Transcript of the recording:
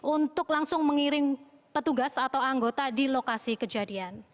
untuk langsung mengiring petugas atau anggota di lokasi kejadian